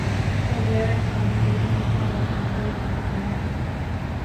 haijawahi kukamilika ya kwamba kuna jambo fulani